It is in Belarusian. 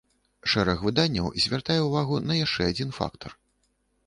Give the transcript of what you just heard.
Шэраг выданняў звяртае ўвагу на яшчэ адзін фактар.